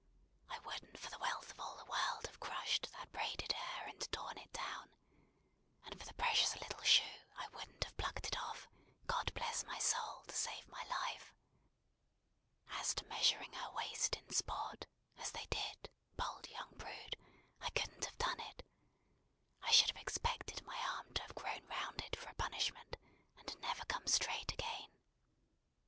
I wouldn't for the wealth of all the world have crushed that braided hair, and torn it down; and for the precious little shoe, I wouldn't have plucked it off, God bless my soul! to save my life. As to measuring her waist in sport, as they did, bold young brood, I couldn't have done it; I should have expected my arm to have grown round it for a punishment, and never come straight again.